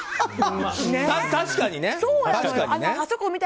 確かにね。